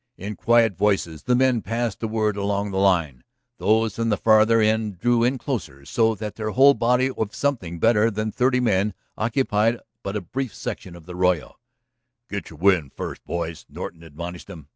In quiet voices the men passed the word along the line. Those from the farther end drew in closer so that their whole body of something better than thirty men occupied but a brief section of the arroyo. "Get your wind first, boys," Norton admonished them.